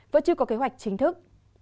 vẫn chưa có kế hoạch chính thức